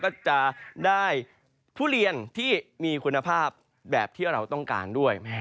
ก็จะได้ทุเรียนที่มีคุณภาพแบบที่เราต้องการด้วย